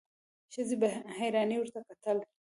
ښځې په حيرانۍ ورته کتل: